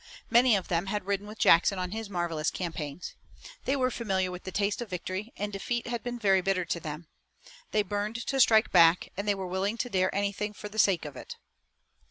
Many of them had ridden with Jackson on his marvelous campaigns. They were familiar with the taste of victory, and defeat had been very bitter to them. They burned to strike back, and they were willing to dare anything for the sake of it.